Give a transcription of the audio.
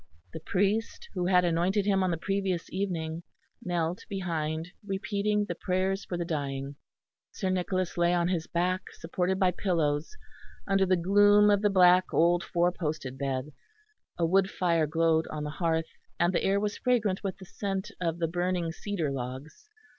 The priest, who had anointed him on the previous evening, knelt behind, repeating the prayers for the dying. Sir Nicholas lay on his back, supported by pillows, under the gloom of the black old four posted bed. A wood fire glowed on the hearth, and the air was fragrant with the scent of the burning cedar logs.